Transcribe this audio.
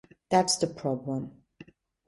That's the problem.